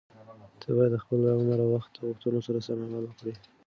ته باید د خپل عمر او وخت د غوښتنو سره سم عمل وکړې.